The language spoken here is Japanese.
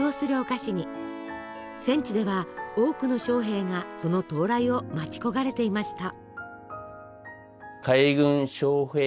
戦地では多くの将兵がその到来を待ち焦がれていました。